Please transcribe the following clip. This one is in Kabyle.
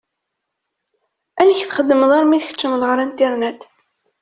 Amek txeddmeḍ armi tkeččmeḍ ɣer Internet?